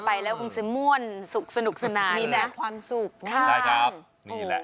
ไปแล้วคงจะม่วนสุขสนุกสนานมีแต่ความสุขนะคะใช่ครับนี่แหละ